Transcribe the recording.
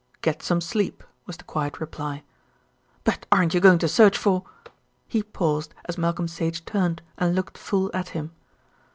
"Get some sleep," was the quiet reply. "But aren't you going to search for ?" He paused as Malcolm Sage turned and looked full at him.